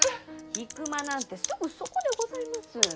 引間なんてすぐそこでございます。